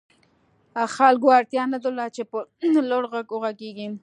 خلکو اړتیا نه درلوده چې په لوړ غږ وغږېږي